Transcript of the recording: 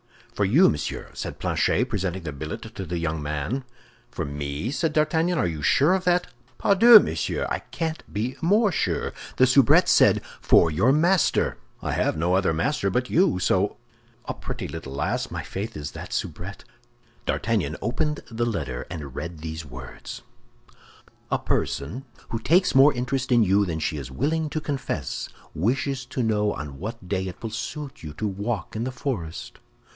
"For you, monsieur," said Planchet, presenting the billet to the young man. "For me?" said D'Artagnan; "are you sure of that?" "Pardieu, monsieur, I can't be more sure. The soubrette said, 'For your master.' I have no other master but you; so—a pretty little lass, my faith, is that soubrette!" D'Artagnan opened the letter, and read these words: "A person who takes more interest in you than she is willing to confess wishes to know on what day it will suit you to walk in the forest?